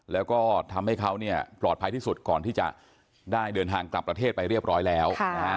แล้วก็ทำให้เขาปลอดภัยที่สุดก่อนที่จะได้เดินทางกลับประเทศไปเรียบร้อยแล้ว